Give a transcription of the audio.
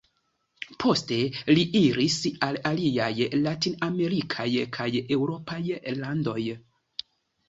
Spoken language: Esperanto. Poste, li iris al aliaj Latin-amerikaj kaj Eŭropaj landoj.